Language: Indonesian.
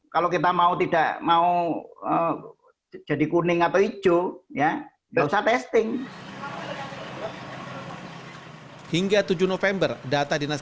kalau kita mau tidak mau jadi kuning atau hijau tidak usah testing hingga tujuh november data dinas